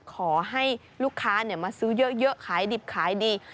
ขอให้ลูกค้ามาซื้อเยอะขายดิบขายดี